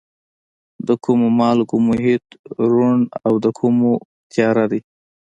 د کومو مالګو محیط روڼ او د کومو تیاره دی؟